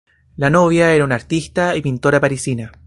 La novia era una artista y pintora parisina.